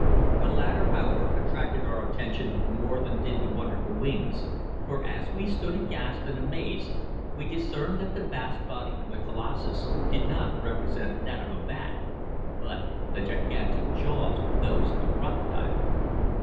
The latter, however, attracted our attention more than did the wonderful wings, for as we stood aghast and amazed we discerned that the vast body of the colossus did not represent that of a bat, but the gigantic jaws were those of a crocodile.